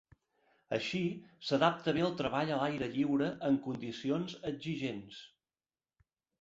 Així, s'adapta bé al treball a l'aire lliure en condicions exigents.